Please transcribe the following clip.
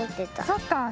そっかあ。